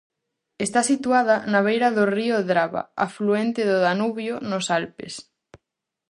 Está situada na beira do río Drava, afluente do Danubio, nos Alpes.